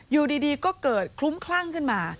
อยู่ดีก็เกิดคลุ้มคลั่งขึ้นมา